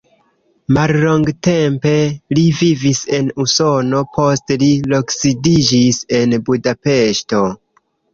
Mallongtempe li vivis en Usono, poste li loksidiĝis en Budapeŝto.